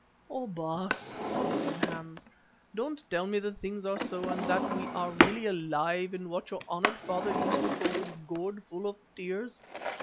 "Oh! Baas," broke in Hans, "don't tell me that things are so and that we are really alive in what your honoured father used to call this gourd full of tears.